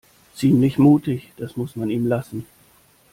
Ziemlich mutig, das muss man ihm lassen.